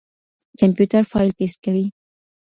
کمپيوټر فايل پېسټ کوي.